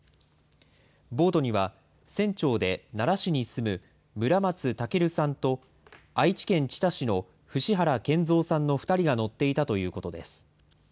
ボートには、船長で奈良市に住む村松孟さんと、愛知県知多市の伏原賢三さんの２人が乗っていたということです。